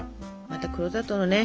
また黒砂糖のね